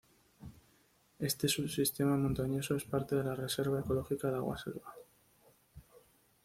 Este subsistema montañoso, es parte de la reserva ecológica de Agua Selva.